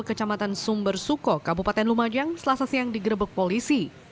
kecamatan sumber suko kabupaten lumajang selasa siang digerebek polisi